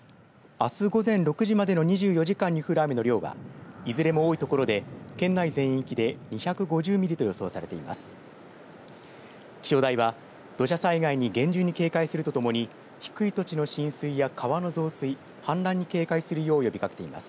あす午前６時までの２４時間に降る雨の量はいずれも多い所で県内全域で２５０ミリと予想されています。